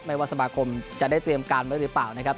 ว่าสมาคมจะได้เตรียมการไว้หรือเปล่านะครับ